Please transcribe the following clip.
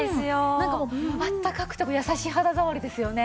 なんかもうあったかくて優しい肌触りですよね。